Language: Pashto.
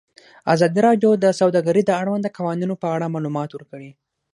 ازادي راډیو د سوداګري د اړونده قوانینو په اړه معلومات ورکړي.